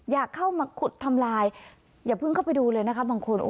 อยากเข้ามาขุดทำลายอย่าเพิ่งเข้าไปดูเลยนะคะบางคน